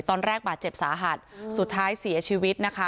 ตอนแรกบาดเจ็บสาหัสสุดท้ายเสียชีวิตนะคะ